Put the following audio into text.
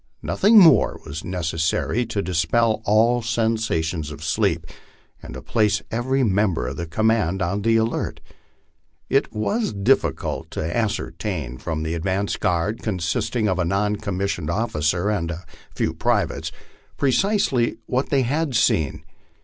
Nothing more was necessary to dispel all sensations of sleep, and to place every member of the command on the alert. It was difficult to ascertain from the advance guard, consisting of a non commissioned officer and a few privates, precisely what they had seen.